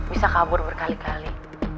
bisa kabur berkali kali